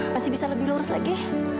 masih bisa lebih lurus lagi